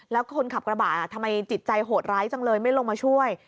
แล้วคนขับกระบะทำไมจิตใจโหดร้ายจังเลยไม่ลงมาช่วย